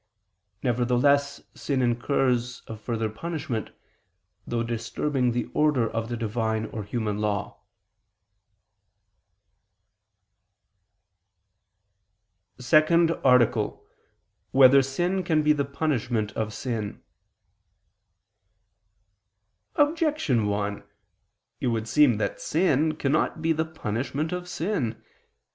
Nevertheless sin incurs a further punishment, through disturbing the order of the Divine or human law. ________________________ SECOND ARTICLE [I II, Q. 87, Art. 2] Whether Sin Can Be the Punishment of Sin? Objection 1: It would seem that sin cannot be the punishment of sin.